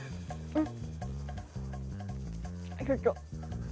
うん！